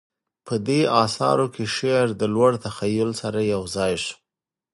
په دې اثارو کې شعر د لوړ تخیل سره یوځای شو